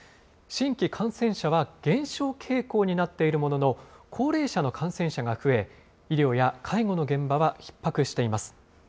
新規感染者は減少傾向になっているものの、高齢者の感染者が増え、医療や介護の現場はひっ迫しています。